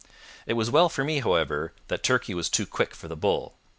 It was well for me, however, that Turkey was too quick for the bull.